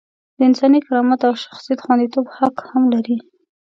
د انساني کرامت او شخصیت خونديتوب حق هم لري.